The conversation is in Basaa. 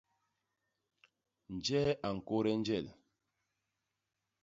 Njee a ñkôde njel?